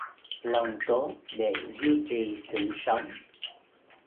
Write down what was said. Lòng tốt để duy trì sự sống